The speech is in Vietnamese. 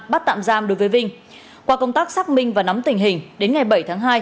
bắt tạm giam đối với vinh qua công tác xác minh và nắm tình hình đến ngày bảy tháng hai